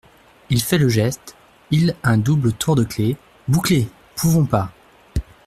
Il fait le geste il un double tour de clef. bouclés !… pouvons pas !…